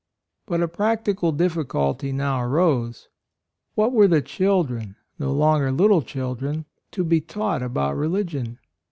But a practical difficulty now arose. What were the children, no longer little children, to be taught about religion?